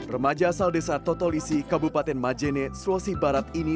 remaja asal desa totolisi kabupaten majene sulawesi barat ini